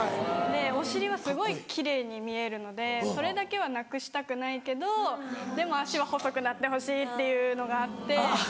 お尻はすごい奇麗に見えるのでそれだけはなくしたくないけどでも足は細くなってほしいっていうのがあって。